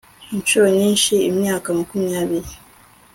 Inshuro nyinshi imyaka makumyabiri